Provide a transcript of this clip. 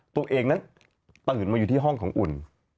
ตัวเองนั้นตื่นมาอยู่ที่ห้องของอุ่น